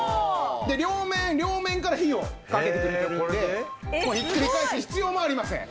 両面から火をかけてくれてるんでもうひっくり返す必要もありません。